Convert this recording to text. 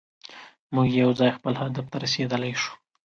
موږ یوځای خپل هدف ته رسیدلی شو.